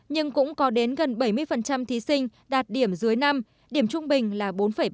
nhưng cũng có đến gần bảy mươi thí sinh đạt điểm dưới năm điểm trung bình là bốn ba mươi